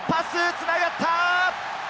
つながった！